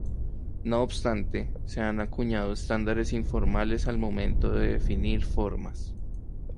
No obstante, se han acuñado estándares informales al momento de definir formas.